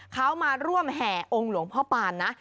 เขามาร่วมแห่องค์หลวงพ่อปานนะ